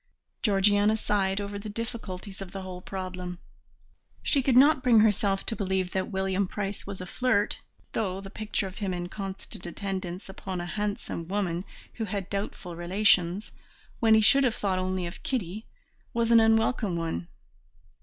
Georgiana sighed over the difficulties of the whole problem. She could not bring herself to believe that William Price was a flirt, though the picture of him in constant attendance upon a handsome woman who had doubtful relations, when he should have thought only of Kitty, was an unwelcome one.